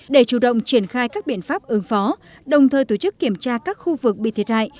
để chủ động triển khai các biện pháp ứng phó đồng thời tổ chức kiểm tra các khu vực bị thiệt hại